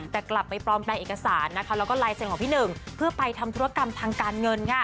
แต่กลับไปปลอมแปลงเอกสารนะคะแล้วก็ลายเซ็นของพี่หนึ่งเพื่อไปทำธุรกรรมทางการเงินค่ะ